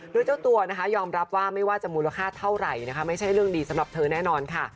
โดยเจ้าตัวนะคะยอมรับว่าไม่ว่าจะมูลค่าเท่าไหร่นะคะไม่ใช่เรื่องดีสำหรับเธอแน่นอนค่ะ